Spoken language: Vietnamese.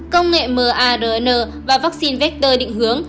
công nghệ mrna và vaccine vector định hướng